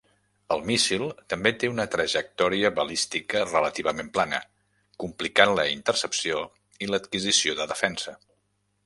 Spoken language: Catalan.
El míssil també té una trajectòria balística relativament plana, complicant la intercepció i l'adquisició de defensa.